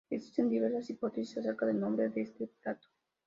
Existen diversas hipótesis acerca del nombre de este plato.